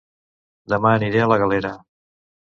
Dema aniré a La Galera